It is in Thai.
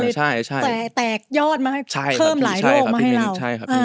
มันเลยแตกยอดมาให้เพิ่มหลายโลกมาให้เรา